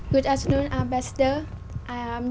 còn trong đất nước